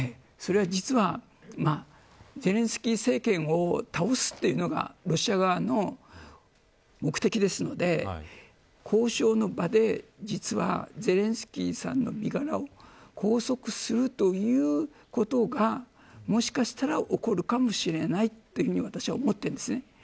それは実はゼレンスキー政権を倒すというのがロシア側の目的ですので交渉の場で、実はゼレンスキーさんの身柄を拘束するということがもしかしたら起こるかもしれないというふうに私は思ってるんです。